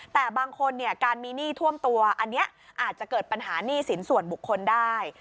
แต่บางคนเนี่ยการมีหนี้ท่วมตัวอันนี้อาจจะเกิดปัญหาหนี้สินส่วนบุคคลได้